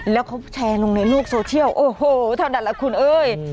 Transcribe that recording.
แล้วเขาแชร์ลงในโลกโซเชียลโอ้โหเท่านั้นแหละคุณเอ้ย